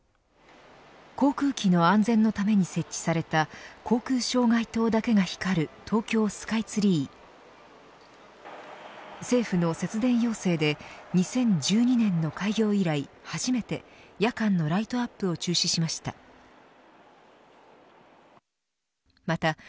航空機の安全のために設置された航空障害灯だけが光る東京スカイツリー政府の節電要請で２０１２年の開業以来初めて夜間のライトアップを中止しました。